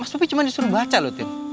mas bobby cuma disuruh baca loh tini